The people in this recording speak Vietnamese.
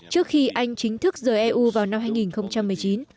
trước khi anh chính thức rời eu vào năm hai nghìn một mươi chín